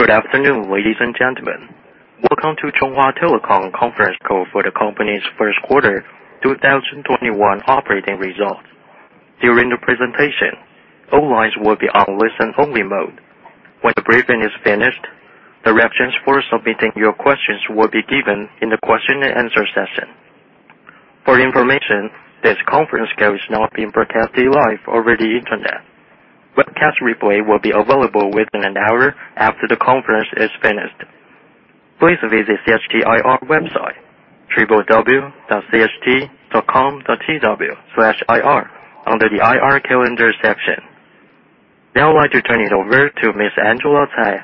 Good afternoon, ladies and gentlemen. Welcome to Chunghwa Telecom conference call for the company's first quarter 2021 operating results. During the presentation, all lines will be on listen-only mode. When the briefing is finished, the reference for submitting your questions will be given in the question and answer session. For your information, this conference call is now being broadcast live over the internet. Webcast replay will be available within an hour after the conference is finished. Please visit CHT IR website, www.cht.com.tw/ir under the IR Calendar section. Now I'd like to turn it over to Ms. Angela Tsai,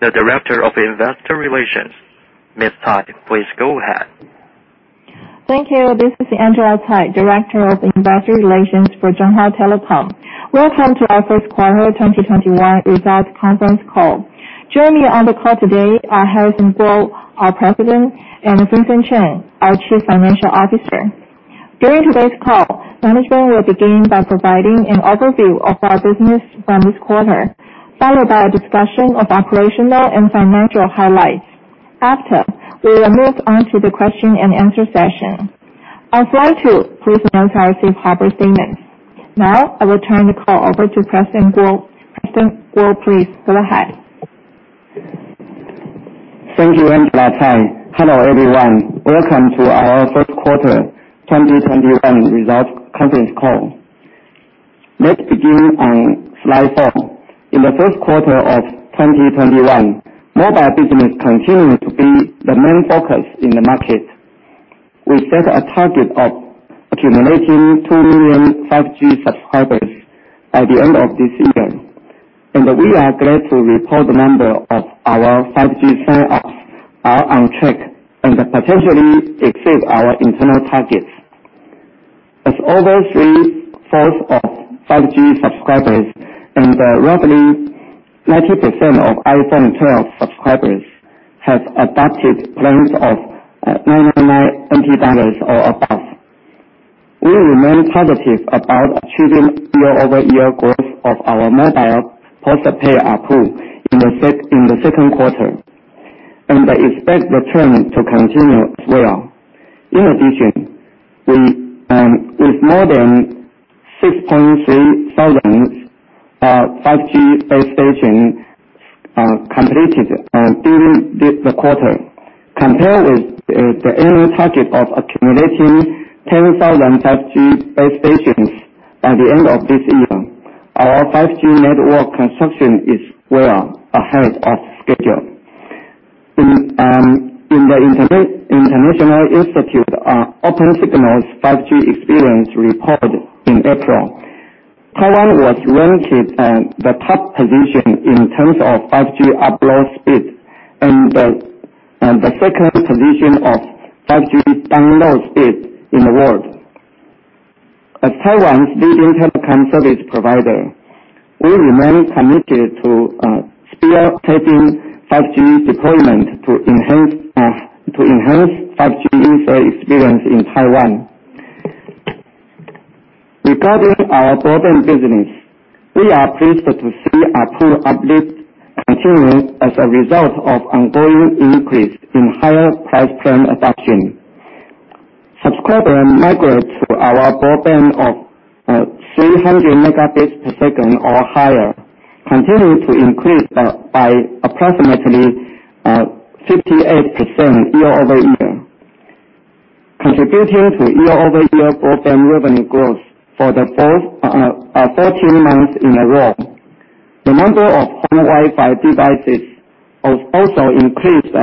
the Director of Investor Relations. Ms. Tsai, please go ahead. Thank you. This is Angela Tsai, Director of Investor Relations for Chunghwa Telecom. Welcome to our first quarter 2021 results conference call. Joining me on the call today are Harrison Kuo, our President, and Vincent Chen, our Chief Financial Officer. During today's call, management will begin by providing an overview of our business from this quarter, followed by a discussion of operational and financial highlights. After, we will move on to the question and answer session. I'll try to please note that I safe harbor statements. Now I will turn the call over to President Kuo. President Kuo, please go ahead. Thank you, Angela Tsai. Hello, everyone. Welcome to our first quarter 2021 results conference call. Let's begin on slide four. In the first quarter of 2021, mobile business continued to be the main focus in the market. We set a target of accumulating 2 million 5G subscribers by the end of this year, and we are glad to report the number of our 5G sign-ups are on track and potentially exceed our internal targets. Over 3/4 of 5G subscribers and roughly 90% of iPhone 12 subscribers have adopted plans of 999 NT dollars or above. We remain positive about achieving year-over-year growth of our mobile post-paid ARPU in the second quarter, and I expect the trend to continue as well. In addition, with more than 6,300 5G base stations completed during the quarter. Compared with the annual target of accumulating 10,000 5G base stations by the end of this year, our 5G network construction is well ahead of schedule. In the International Institute on Opensignal's 5G experience report in April, Taiwan was ranked the top position in terms of 5G upload speed and the second position of 5G download speed in the world. As Taiwan's leading telecom service provider, we remain committed to spearheading 5G deployment to enhance 5G user experience in Taiwan. Regarding our broadband business, we are pleased to see ARPU uplift continue as a result of ongoing increase in higher price plan adoption. Subscriber migrate to our broadband of 300 Mb/s or higher continued to increase by approximately 58% year-over-year, contributing to year-over-year broadband revenue growth for the 14 months in a row. The number of home Wi-Fi devices also increased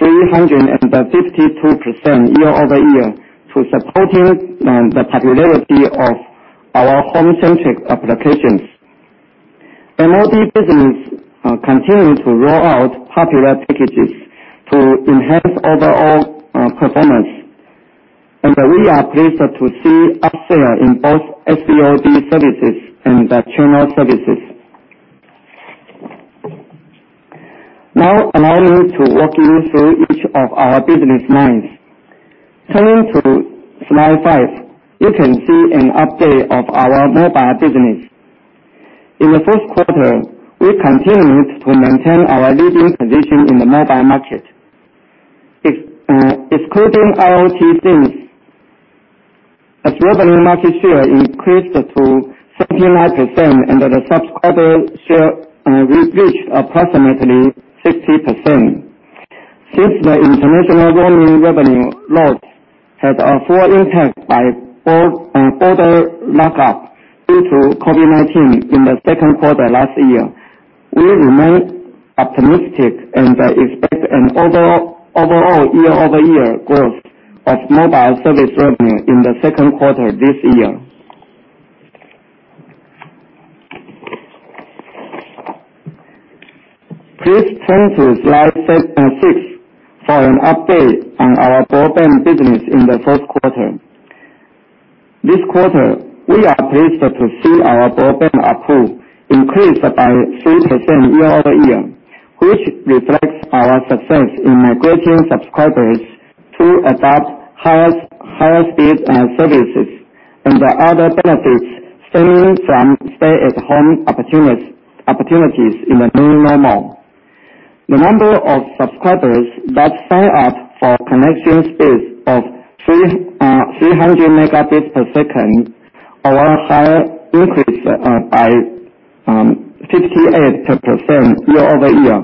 352% year-over-year to supporting the popularity of our home-centric applications. MOD business continue to roll out popular packages to enhance overall performance. We are pleased to see upsell in both SVOD services and the channel services. Now allow me to walk you through each of our business lines. Turning to slide five, you can see an update of our mobile business. In the first quarter, we continued to maintain our leading position in the mobile market. Excluding IoT SIMs, as revenue market share increased to 79% and the subscriber share reached approximately 60%. Since the international roaming revenue loss had a full impact by border lockup into COVID-19 in the second quarter last year. We remain optimistic and expect an overall year-over-year growth of mobile service revenue in the second quarter this year. Please turn to slide six for an update on our broadband business in the first quarter. This quarter, we are pleased to see our broadband ARPU increase by 3% year-over-year, which reflects our success in migrating subscribers to adopt higher speed services and other benefits stemming from stay-at-home opportunities in the new normal. The number of subscribers that sign up for connection speeds of 300 Mb/s or higher increased by 58% year-over-year.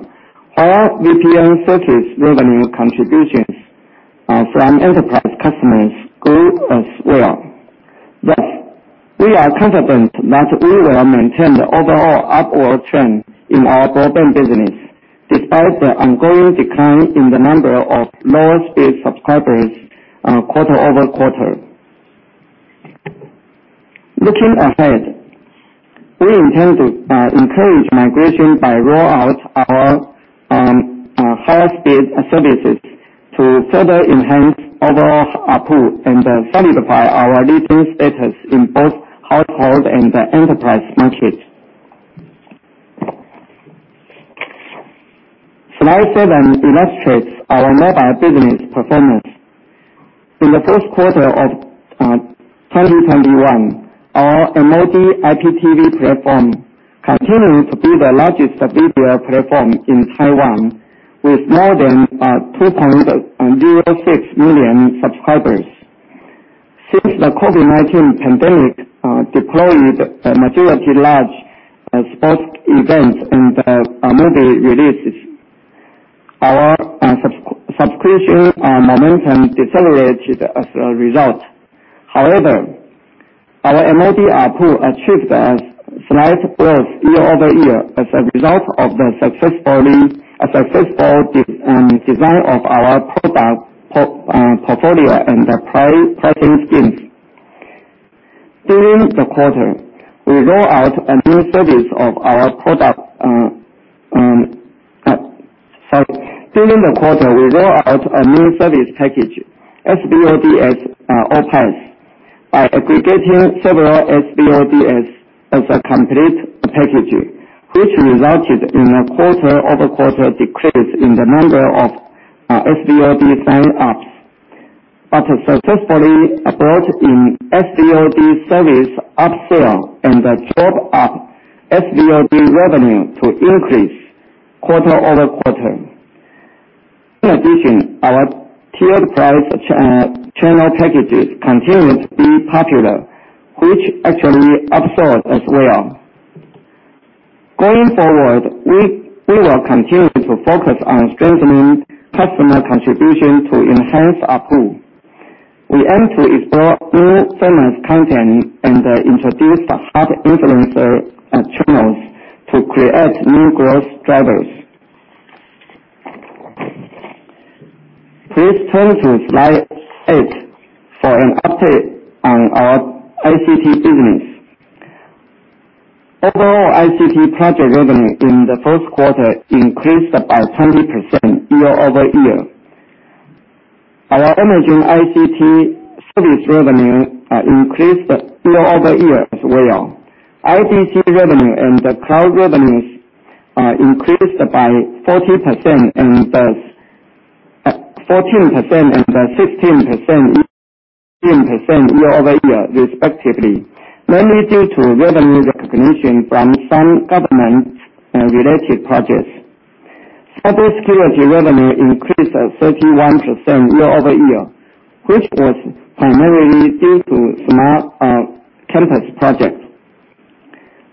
Our VPN service revenue contributions from enterprise customers grew as well. Thus, we are confident that we will maintain the overall upward trend in our broadband business despite the ongoing decline in the number of low-speed subscribers quarter-over-quarter. Looking ahead, we intend to encourage migration by rolling out our higher speed services to further enhance overall ARPU and solidify our leading status in both household and enterprise markets. Slide seven illustrates our mobile business performance. In the first quarter of 2021, our MOD IPTV platform continued to be the largest video platform in Taiwan, with more than 2.06 million subscribers. Since the COVID-19 pandemic delayed majority large sports events and movie releases, our subscription momentum decelerated as a result. However, our MOD ARPU achieved a slight growth year-over-year as a result of the successful design of our product portfolio and pricing schemes. During the quarter, we rolled out a new service package, S-VOD All Pass, by aggregating several SVOD as a complete packaging, which resulted in a quarter-over-quarter decrease in the number of SVOD sign-ups, but successfully brought in SVOD service upsell and drove up SVOD revenue to increase quarter-over-quarter. In addition, our tiered price channel packages continued to be popular, which actually upsells as well. Going forward, we will continue to focus on strengthening customer contribution to enhance ARPU. We aim to explore more famous content and introduce the hot influencer channels to create new growth drivers. Please turn to slide eight for an update on our ICT business. Overall ICT project revenue in the first quarter increased by 20% year-over-year. Our emerging ICT service revenue increased year-over-year as well. IDC revenue and the cloud revenues increased by 14% and 16% year-over-year respectively, mainly due to revenue recognition from some government-related projects. Cybersecurity revenue increased 31% year-over-year, which was primarily due to small campus projects.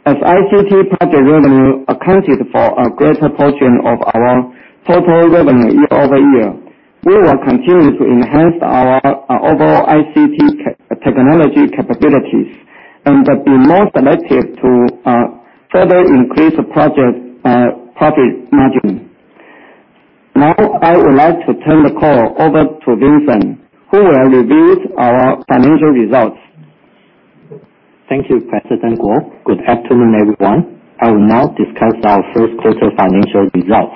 As ICT project revenue accounted for a greater portion of our total revenue year-over-year, we will continue to enhance our overall ICT technology capabilities and be more selective to further increase project margin. Now, I would like to turn the call over to Vincent, who will review our financial results. Thank you, President Kuo. Good afternoon, everyone. I will now discuss our first quarter financial results.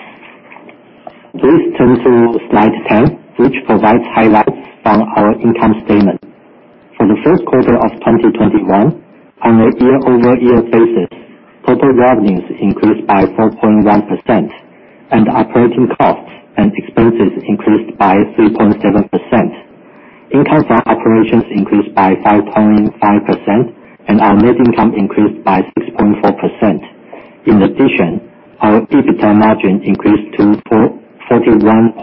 Please turn to slide 10, which provides highlights on our income statement. For the first quarter of 2021, on a year-over-year basis, total revenues increased by 4.1%, and operating costs and expenses increased by 3.7%. Income from operations increased by 5.5%, and our net income increased by 6.4%. In addition, our EBITDA margin increased to 41.09%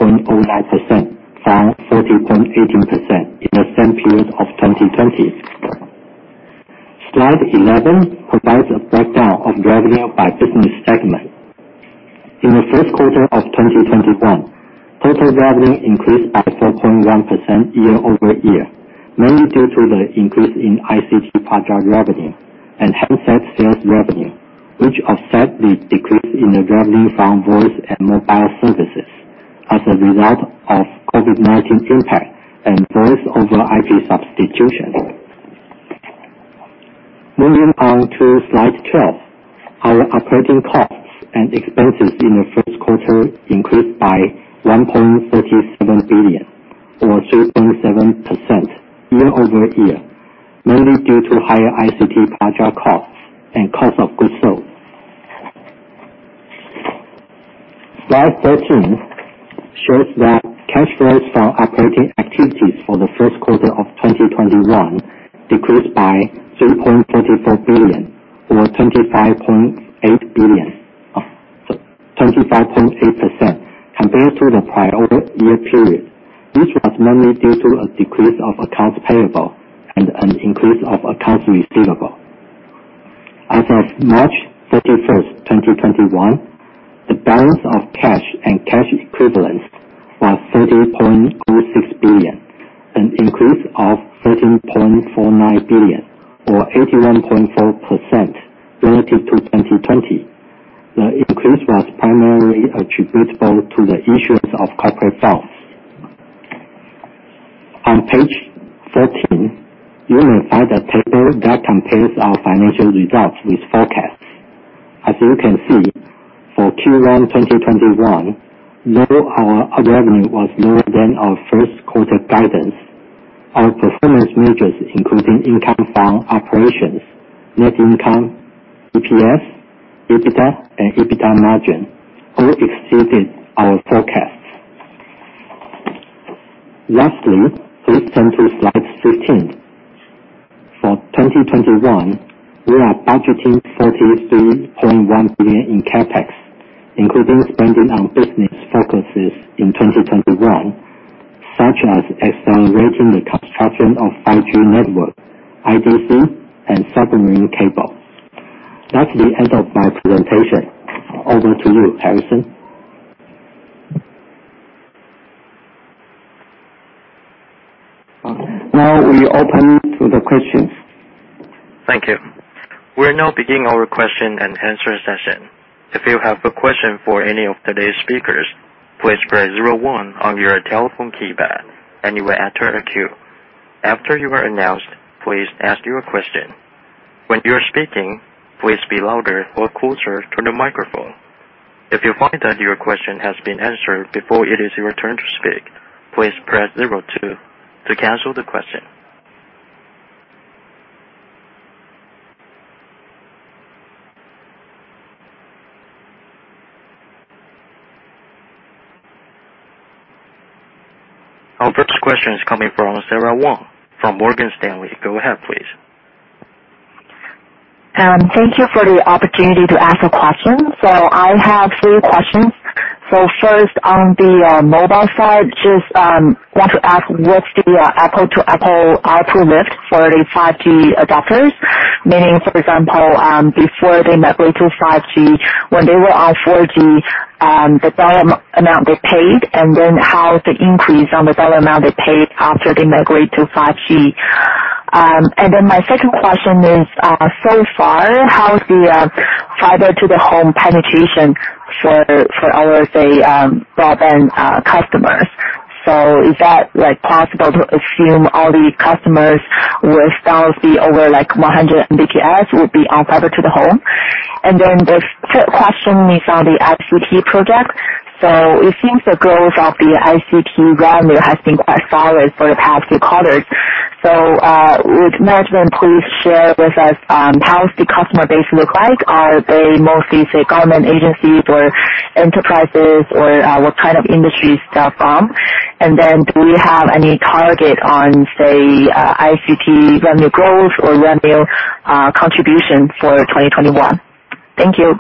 from 40.18% in the same period of 2020. Slide 11 provides a breakdown of revenue by business segment. In the first quarter of 2021, total revenue increased by 4.1% year-over-year, mainly due to the increase in ICT project revenue and handset sales revenue, which offset the decrease in the revenue from voice and mobile services as a result of COVID-19 impact and Voice over IP substitution. Moving on to slide 12. Our operating costs and expenses in the first quarter increased by 1.37 billion, or 3.7% year-over-year, mainly due to higher ICT project costs and cost of goods sold. Slide 13 shows that cash flows for operating activities for the first quarter of 2021 decreased by 3.34 billion or 25.8% compared to the prior year period, which was mainly due to a decrease of accounts payable and an increase of accounts receivable. As of March 31st, 2021, the balance of cash and cash equivalents was 30.26 billion, an increase of 13.49 billion or 81.4% relative to 2020. The increase was primarily attributable to the issuance of corporate bonds. On page 14, you will find a table that compares our financial results with forecasts. As you can see, for Q1 2021, though our revenue was more than our first quarter guidance, our performance measures, including income from operations, net income, EPS, EBITDA, and EBITDA margin, all exceeded our forecasts. Lastly, please turn to slide 15. For 2021, we are budgeting 43.1 billion in CapEx, including spending on business focuses in 2021, such as accelerating the construction of 5G network, IDC, and submarine cable. That's the end of my presentation. Over to you, Harrison. Now we open to the questions. Thank you. We're now beginning our question and answer session. If you have a question for any of today's speakers, please press zero one on your telephone keypad and you will enter a queue. After you are announced, please ask your question. When you are speaking, please speak louder or closer to the microphone. If you find that your question has been answered before it is your turn to speak, please press zero two to cancel the question. Our first question is coming from Sarah Wong from Morgan Stanley. Go ahead, please. Thank you for the opportunity to ask a question. I have three questions. First, on the mobile side, just want to ask what's the apple-to-apple ARPU lift for the 5G adopters? Meaning, for example, before they migrate to 5G, when they were on 4G, the dollar amount they paid, and then how is the increase on the dollar amount they paid after they migrate to 5G. My second question is, so far, how is the fiber-to-the-home penetration for our, say, broadband customers? Is that possible to assume all the customers with speed over 100 Mbps will be on fiber-to-the-home? The third question is on the ICT project. It seems the growth of the ICT revenue has been quite solid for the past few quarters. Would management please share with us, how does the customer base look like? Are they mostly government agencies or enterprises, or what kind of industries they're from? Do you have any target on, say, ICT revenue growth or revenue contribution for 2021? Thank you.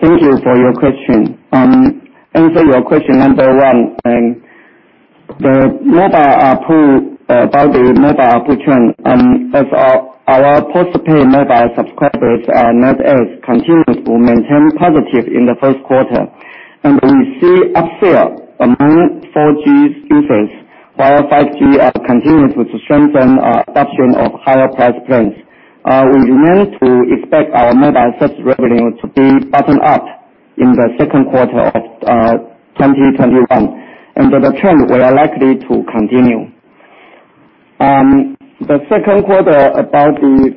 Thank you for your question. To answer your question number one, about the mobile ARPU trend. Our post-paid mobile subscribers net adds continues to maintain positive in the first quarter, and we see upsell among 4G users, while 5G continues to strengthen adoption of higher price plans. We continue to expect our mobile service revenue to be bottom out in the second quarter of 2021 and that the trend will likely to continue. The second quarter about the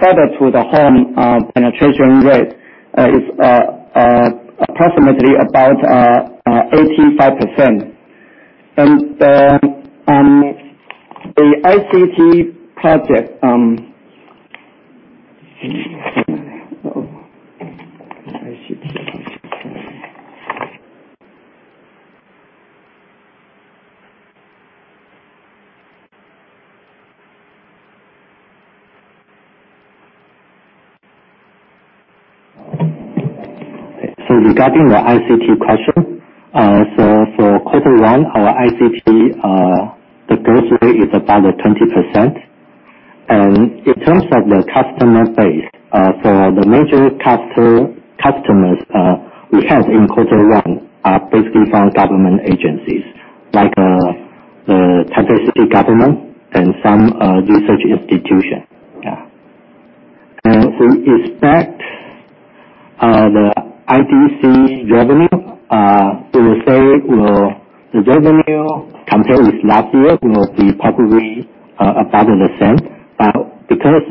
fiber-to-the-home penetration rate is approximately about 85%. The ICT project. Regarding the ICT question, for quarter one, our ICT, the growth rate is about 20%. In terms of the customer base, the major customers we have in quarter one are basically from government agencies like the Taipei City government and some research institution. Yeah. We expect the ICT revenue, we will say the revenue compared with last year will be probably about the same. Because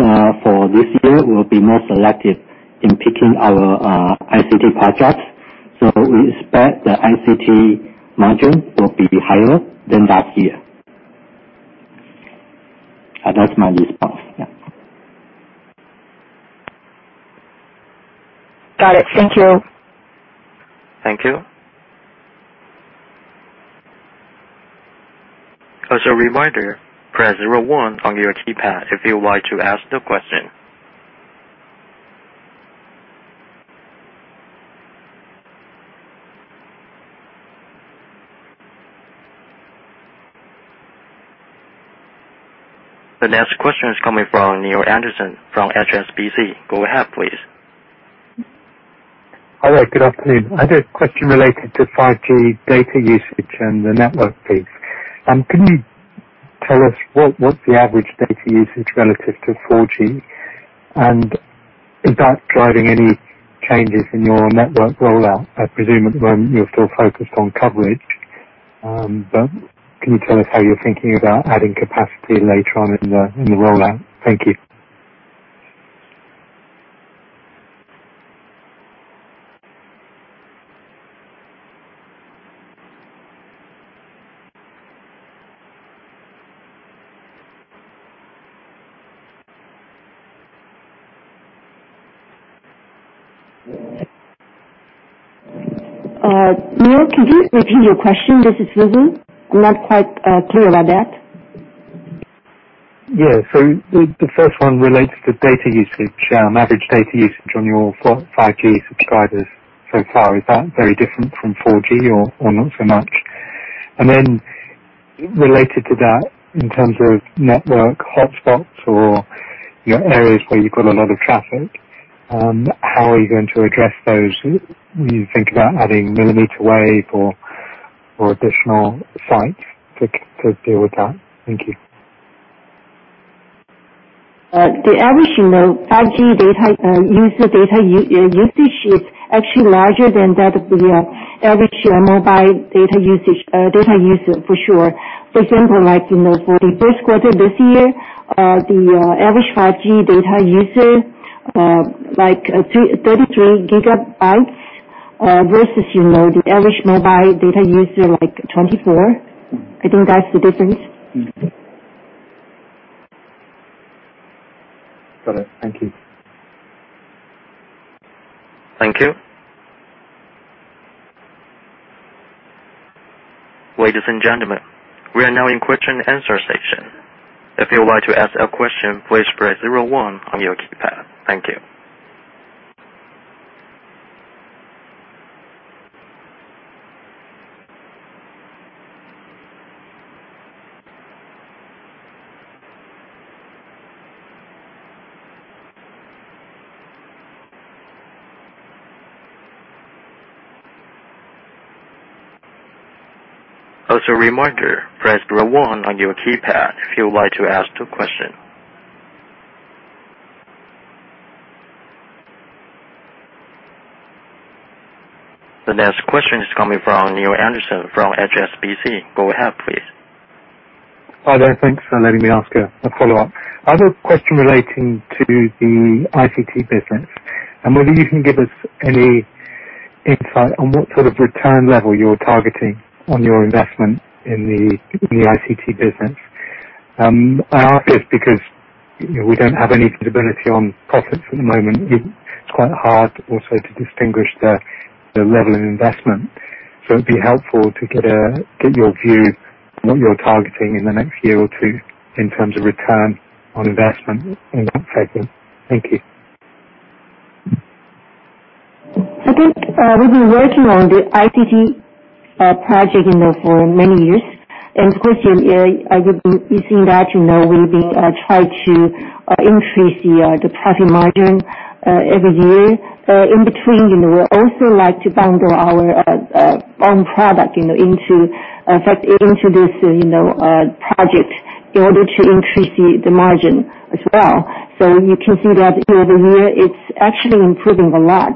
for this year, we'll be more selective in picking our ICT projects. We expect the ICT margin will be higher than last year. That's my response. Yeah. Got it. Thank you. Thank you. As a reminder, press zero one on your keypad if you would like to ask a question. The next question is coming from Neil Anderson from HSBC. Go ahead, please. All right. Good afternoon. I had a question related to 5G data usage and the network piece. Can you tell us what the average data usage relative to 4G? Is that driving any changes in your network rollout? I presume at the moment you're still focused on coverage. Can you tell us how you're thinking about adding capacity later on in the rollout? Thank you. Neil, could you repeat your question? This is Susan. I'm not quite clear about that. The first one relates to data usage, average data usage on your 5G subscribers so far. Is that very different from 4G or not so much? Related to that, in terms of network hotspots or areas where you've got a lot of traffic, how are you going to address those? Will you think about adding millimeter wave or additional sites to deal with that? Thank you. The average 5G user data usage is actually larger than that of the average mobile data usage for sure. For the first quarter this year, the average 5G data user, 33 GB, versus the average mobile data user, 24 GB. I think that's the difference. Got it. Thank you. Thank you. Ladies and gentlemen, we are now in question and answer session. If you would like to ask a question, please press zero one on your keypad. Thank you. As a reminder, press zero one on your keypad if you would like to ask a question. The next question is coming from Neil Anderson from HSBC. Go ahead, please. Hi there. Thanks for letting me ask a follow-up. I had a question relating to the ICT business, and whether you can give us any insight on what sort of return level you're targeting on your investment in the ICT business. I ask this because we don't have any visibility on profits at the moment. It's quite hard also to distinguish the level of investment. It'd be helpful to get your view on what you're targeting in the next year or two in terms of return on investment in that sector. Thank you. I think we've been working on the ICT project for many years. Of course, we've been using that. We've been trying to increase the profit margin every year. In between, we also like to bundle our own product into this project in order to increase the margin as well. You can see that year by year, it's actually improving a lot.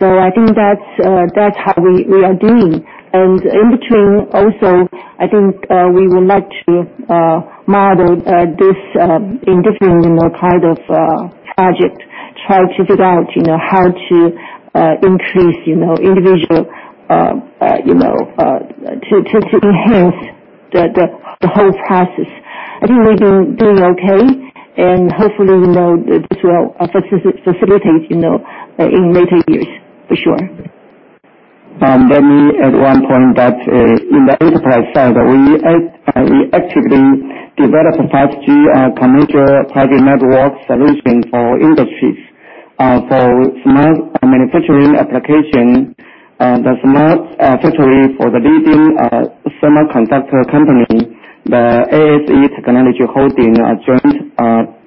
I think that's how we are doing. In between, also, I think we would like to model this in different kind of project. Try to figure out how to increase to enhance the whole process. I think we've been doing okay. Hopefully this will facilitate in later years for sure. Let me add one point that in the enterprise side, we actively develop 5G commercial private network solutions for industries. For smart manufacturing application, the smart factory for the leading semiconductor company, the ASE Technology Holding, a joint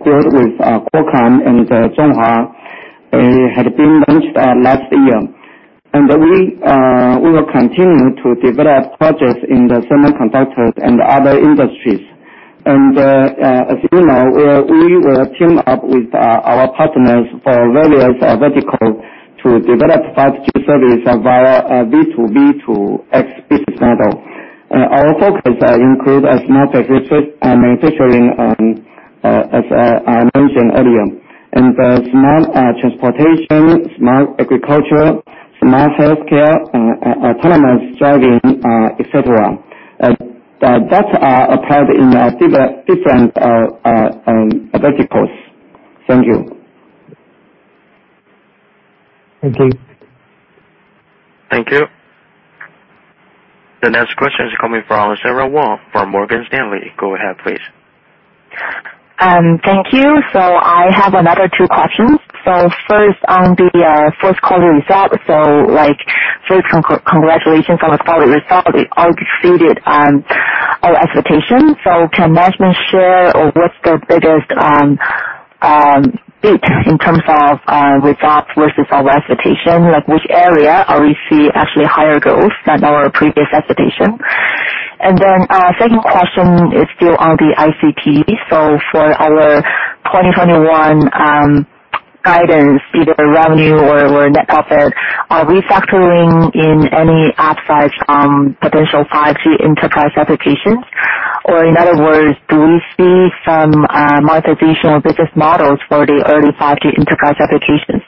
deal with Qualcomm and Chunghwa, had been launched last year. We will continue to develop projects in the semiconductors and other industries. As you know, we will team up with our partners for various verticals to develop 5G service via B2B2X business model. Our focus includes smart logistics and manufacturing as I mentioned earlier, and smart transportation, smart agriculture. Smart healthcare, autonomous driving, et cetera. That's applied in different verticals. Thank you. Thank you. Thank you. The next question is coming from Sarah Wong from Morgan Stanley. Go ahead, please. Thank you. I have another two questions. First, on the first quarter result. First, congratulations on the quarter result. It exceeded our expectations. Can management share what's the biggest beat in terms of results versus our expectation? Which area are we seeing actually higher growth than our previous expectation? Our second question is still on the ICT. For our 2021 guidance, either revenue or net profit. Are we factoring in any upside from potential 5G enterprise applications? Or in other words, do we see some monetization of business models for the early 5G enterprise applications?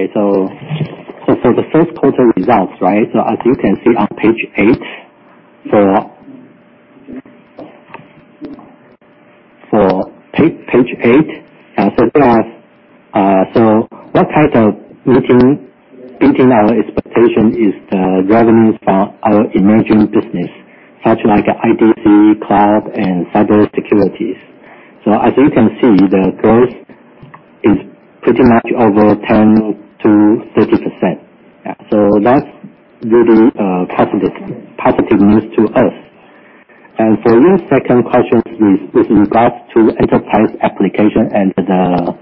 Okay. For the first quarter results, right? As you can see on page eight. For page eight. What type of beating our expectation is the revenues for our emerging business, such like IDC, Cloud, and Cybersecurity. As you can see, the growth is pretty much over 10%-30%. That's really positive news to us. For your second question with regards to enterprise application and the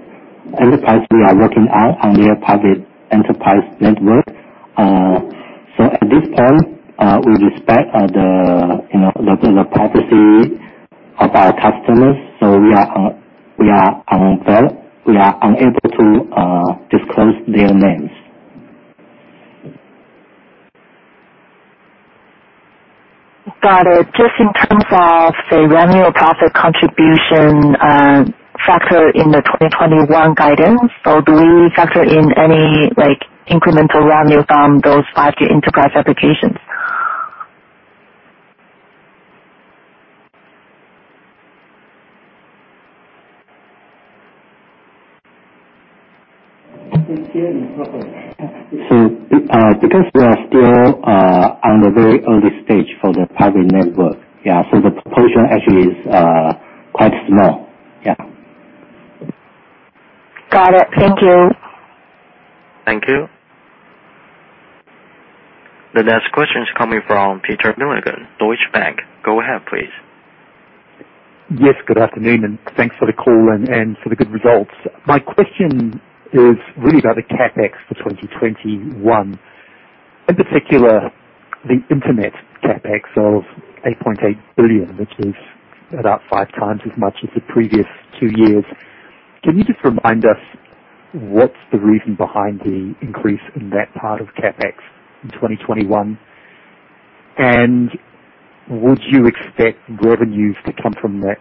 enterprise we are working on on their private enterprise network. At this point, we respect the privacy of our customers, so we are unable to disclose their names. Got it. Just in terms of the revenue or profit contribution factor in the 2021 guidance, do we factor in any incremental revenue from those 5G enterprise applications? Because we are still on the very early stage for the private network, the proportion actually is quite small. Got it. Thank you. Thank you. The next question is coming from Peter Milliken, Deutsche Bank. Go ahead, please. Yes, good afternoon, and thanks for the call and for the good results. My question is really about the CapEx for 2021, in particular, the internet CapEx of 8.8 billion, which is about five times as much as the previous two years. Can you just remind us what's the reason behind the increase in that part of CapEx in 2021? Would you expect revenues to come from that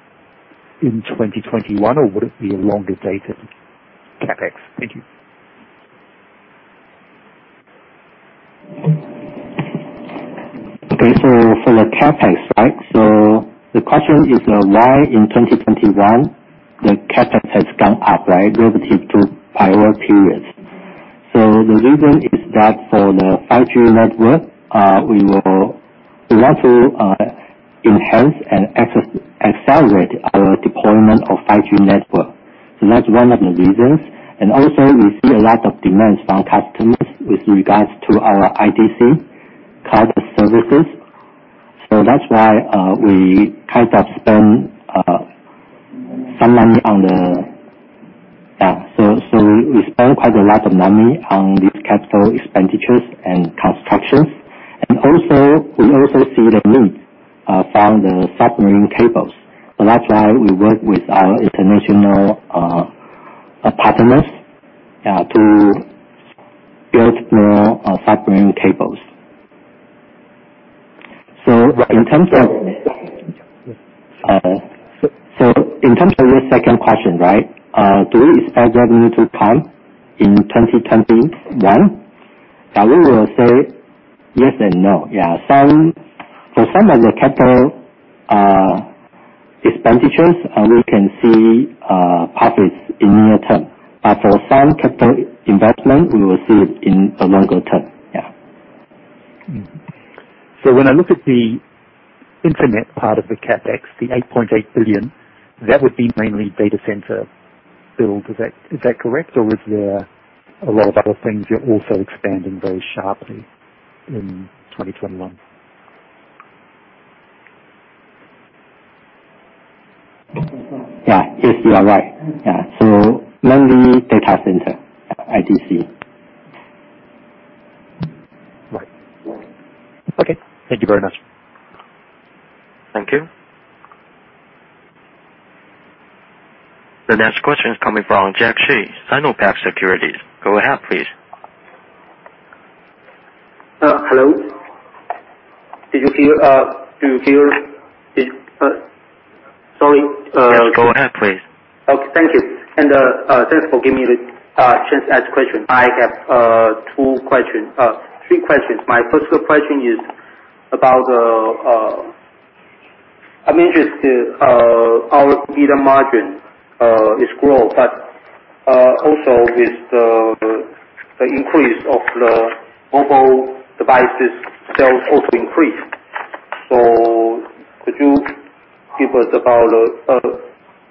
in 2021, or would it be a longer-dated CapEx? Thank you. Okay. For the CapEx, right? The question is why in 2021 the CapEx has gone up, right, relative to prior periods. The reason is that for the 5G network, we want to enhance and accelerate our deployment of 5G network. That's one of the reasons. Also, we see a lot of demands from customers with regards to our IDC Cloud Services. That's why we spend some money. We spend quite a lot of money on these capital expenditures and constructions. Also, we also see the need from the submarine cables. That's why we work with our international partners to build more submarine cables. In terms of your second question, right? Do we expect revenue to come in 2021? We will say yes and no. Yeah. For some of the capital expenditures, we can see profits in near term. For some capital investment, we will see it in a longer term. Yeah. When I look at the internet part of the CapEx, the 8.8 billion, that would be mainly data center build. Is that correct? Or is there a lot of other things you're also expanding very sharply in 2021? Yeah. Yes, you are right. Yeah. Mainly data center, IDC. Right. Okay. Thank you very much. Thank you. The next question is coming from Jack Hsu, SinoPac Securities. Go ahead, please. Hello. Do you hear? Sorry. Yeah, go ahead, please. Okay. Thank you. Thanks for giving me the chance to ask question. I have three questions. My first question is, I'm interested, our EBITDA margin is growth, but also with the increase of the mobile devices sales also increased. Could you give us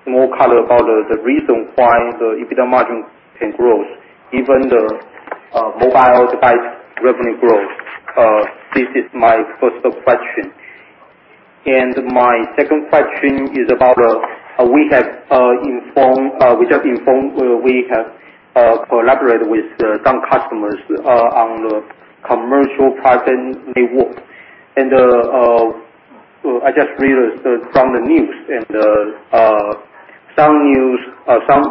more color about the reason why the EBITDA margin can growth even the mobile device revenue growth? This is my first question. My second question is about, we have informed where we have collaborated with some customers on the commercial private network. I just read from the news, and some news have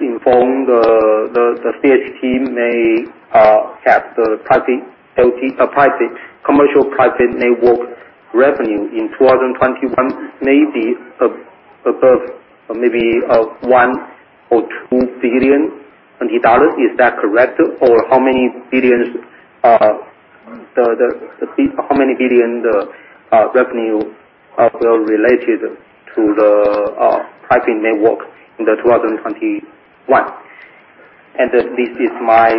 informed the CHT may have the commercial private network revenue in 2021 may be above maybe 1 or 2 billion dollars. Is that correct? How many billion the revenue are related to the private networks in the 2021? This is my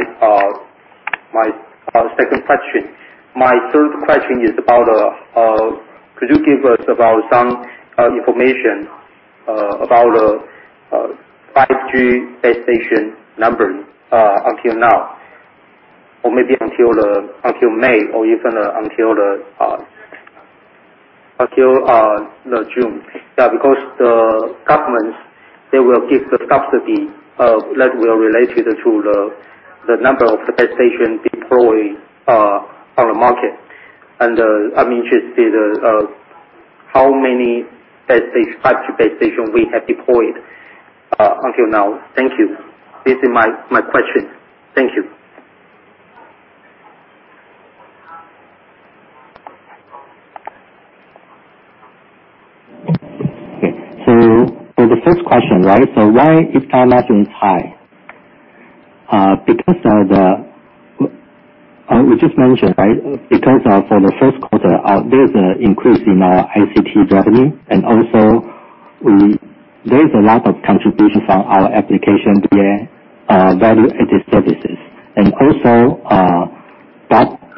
second question. My third question is, could you give us some information about 5G base station numbers until now or maybe until May or even until the June? Yeah, because the governments, they will give the subsidy that will relate to the number of the base stations deployed on the market. I'm interested how many 5G base station we have deployed until now. Thank you. This is my question. Thank you. For the first question. Why EBITDA margin is high? We just mentioned. For the first quarter, there's an increase in our ICT revenue, and also there is a lot of contribution from our application via value-added services.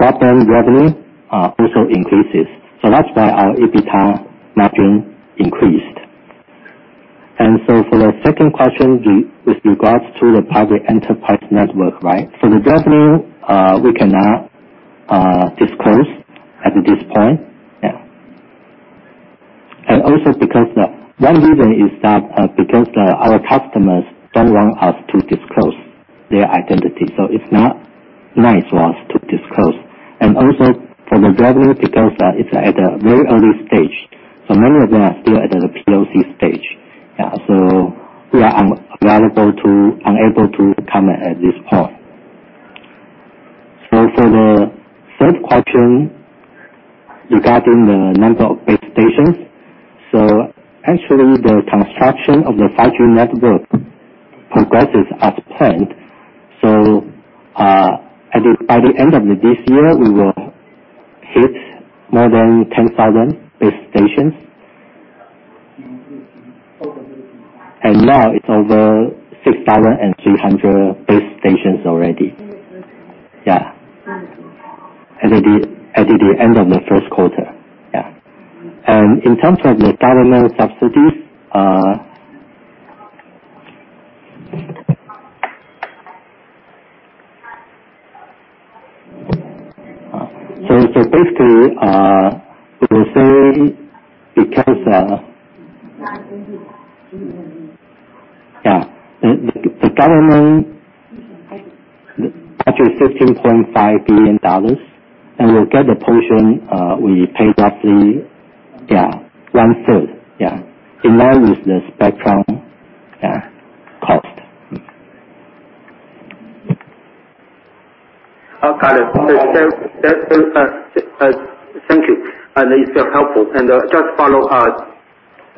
Broadband revenue also increases. That's why our EBITDA margin increased. For the second question, with regards to the private enterprise network. The revenue, we cannot disclose at this point. One reason is that because our customers don't want us to disclose their identity, so it's not nice for us to disclose. For the revenue, because it's at a very early stage. Many of them are still at the POC stage. We are unable to comment at this point. For the third question regarding the number of base stations. Actually, the construction of the 5G network progresses as planned. By the end of this year, we will hit more than 10,000 base stations. Now it's over 6,300 base stations already. Yeah. At the end of the first quarter. Yeah. In terms of the government subsidies, the government budget TWD 16.5 billion, and we'll get the portion, we pay roughly 1/3. Yeah. Along with the spectrum cost. Got it. Thank you. It's helpful. Just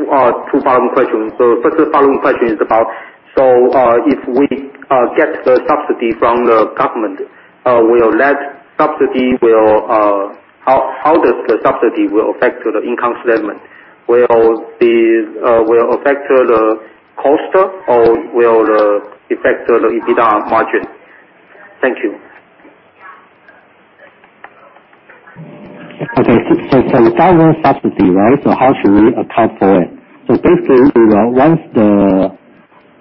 two follow-up questions. First follow-up question is about, if we get the subsidy from the government, how does the subsidy will affect the income statement? Will affect the cost or will affect the EBITDA margin? Thank you. The government subsidy, right? How should we account for it? Basically, once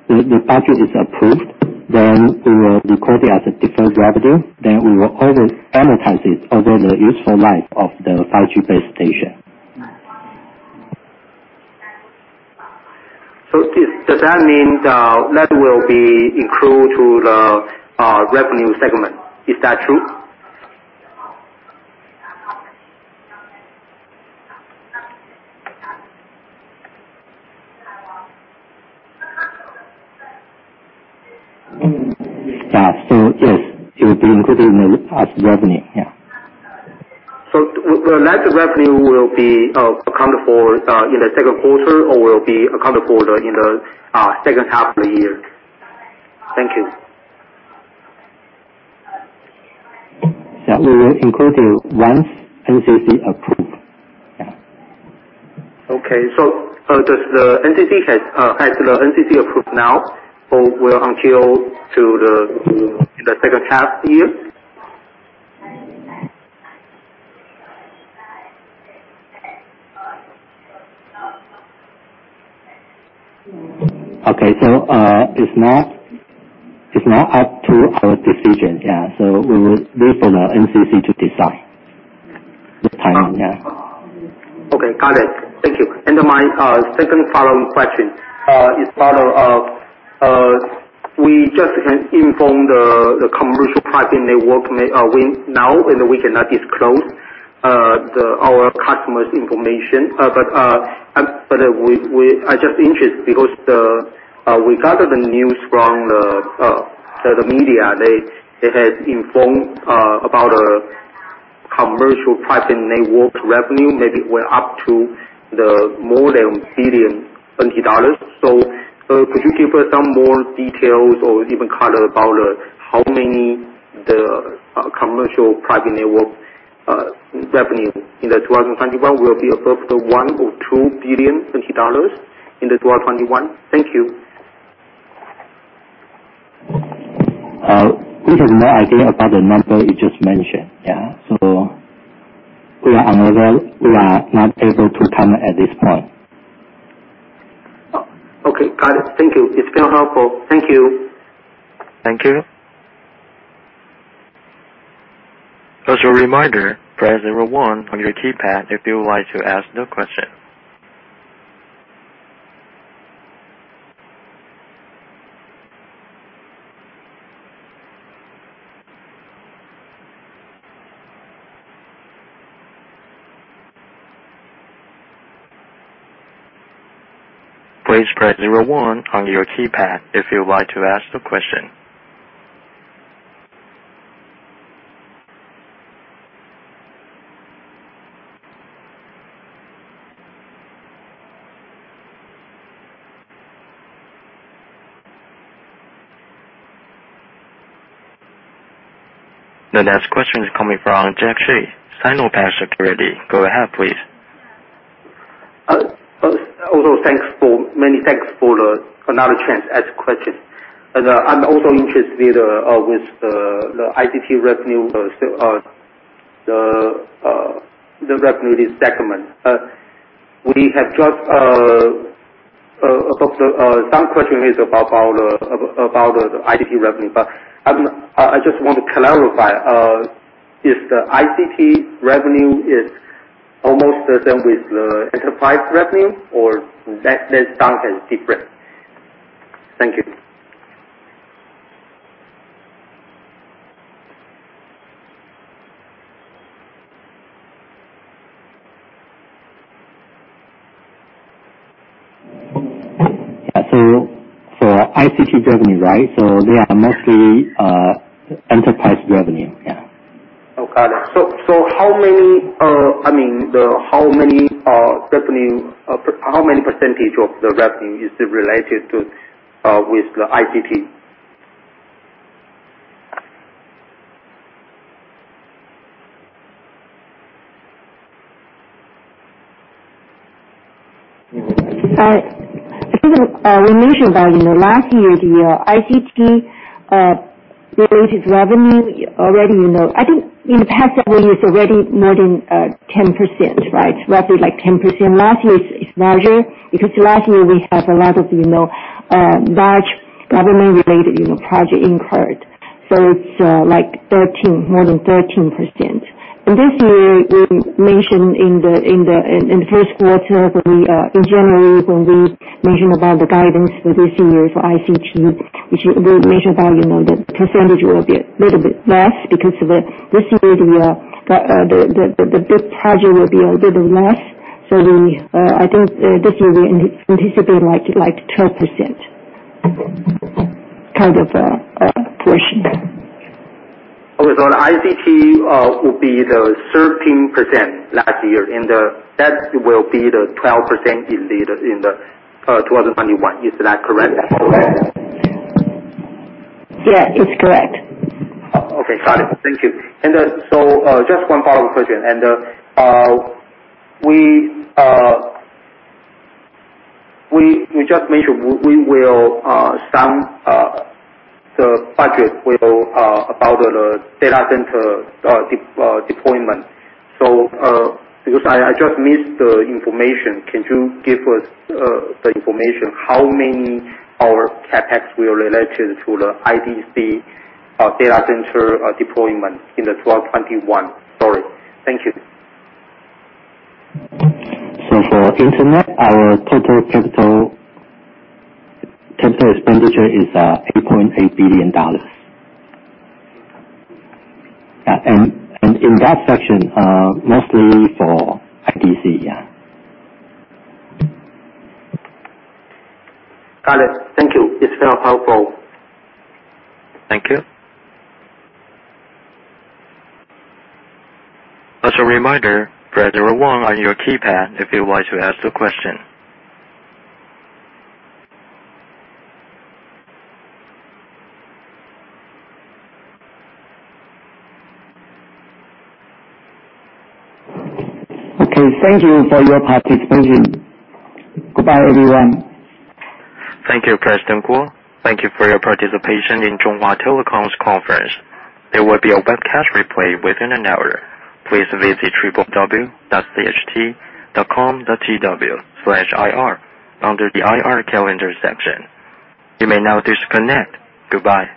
The budget is approved, we will record it as a deferred revenue. We will always amortize it over the useful life of the 5G base station. Does that mean the revenue will be accrued to the revenue segment? Is that true? Yes. It will be recorded as revenue. Yeah. The revenue will be accounted for in the second quarter, or will be accounted for in the second half of the year? Thank you. Yeah. We will include it once NCC approves. Yeah. Okay. Does the NCC have the approval now, or will it be until the second half of the year? Okay. It's not up to our decision. Yeah. We will leave for the NCC to decide the timing. Yeah. Okay. Got it. Thank you. My second follow-up question is, we just have informed the commercial private network now, and we cannot disclose our customer's information. I'm just interested because we gathered the news from the media. They have informed about the commercial private network revenue, maybe we're up to more than 1.7 billion dollars. Could you give us some more details or even color about how many the commercial private network revenue in 2021 will be above the TWD 1 or 2 billion 20 dollars in 2021? Thank you. We have no idea about the number you just mentioned. Yeah. We are not able to comment at this point. Okay. Got it. Thank you. It's still helpful. Thank you. Thank you. The next question is coming from Jack Hsu, SinoPac Securities. Go ahead, please. Many thanks for another chance to ask a question. I'm also interested with the ICT revenue segment. Some question is about the ICT revenue. I just want to clarify, if the ICT revenue is almost the same as the enterprise revenue or that is different? Thank you. Yeah. ICT revenue, right? They are mostly enterprise revenue. Yeah. Okay. How many percentage of the revenue is related with the ICT? I think we mentioned that in the last year, the ICT related revenue, I think in the past it was already more than 10%, right? Roughly 10%. Last year, it's larger because last year we have a lot of large government-related project incurred. It's more than 13%. This year, we mentioned in the first quarter, in January, when we mentioned about the guidance for this year for ICT, which we mentioned about the percentage will be a little bit less because this year the bid project will be a little less. I think this year we anticipate like 12% kind of portion. Okay. The ICT will be the 13% last year, and that will be the 12% in 2021. Is that correct? Yeah, it's correct. Okay. Got it. Thank you. Just one follow-up question, we just mentioned we will sum the budget about the data center deployment. Because I just missed the information, can you give us the information, how many our CapEx will relate to the IDC data center deployment in the 2021? Sorry. Thank you. For Internet, our total capital expenditure is 8.8 billion dollars. In that section, mostly for IDC. Got it. Thank you. It's very helpful. Thank you. As a reminder, press zero one on your keypad if you want to ask a question. Okay. Thank you for your participation. Goodbye, everyone. Thank you, President Kuo. Thank you for your participation in Chunghwa Telecom's conference. There will be a webcast replay within an hour. Please visit www.cht.com.tw/ir under the IR calendar section. You may now disconnect. Goodbye